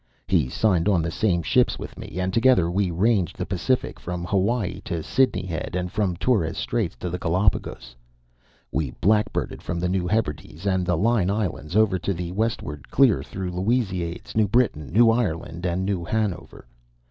He signed on the same ships with me; and together we ranged the Pacific from Hawaii to Sydney Head, and from Torres Straits to the Galapagos. We blackbirded from the New Hebrides and the Line Islands over to the westward clear through the Louisades, New Britain, New Ireland, and New Hanover.